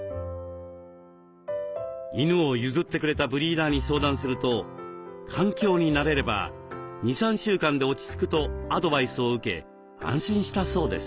犬を譲ってくれたブリーダーに相談すると環境に慣れれば２３週間で落ち着くとアドバイスを受け安心したそうです。